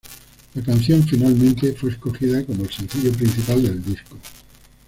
La canción finalmente fue escogida como el sencillo principal del disco.